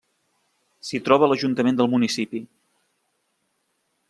S'hi troba l'ajuntament del municipi.